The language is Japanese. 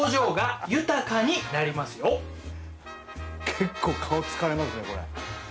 結構顔疲れますねこれ。